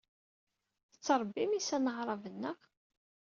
Tettṛebbim iysan aɛṛaben, naɣ?